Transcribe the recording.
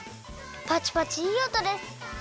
パチパチいいおとです。